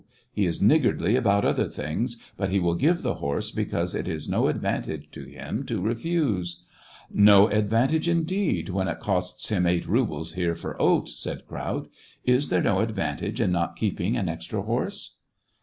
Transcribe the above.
He is niggardly about other things, but he will give the horse because it is no advantage to him to refuse." " No advantage, indeed, when it costs him eight rubles here for oats !" said Kraut. *' Is there no advantage in not keeping an extra horse